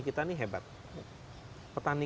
kita ini hebat petani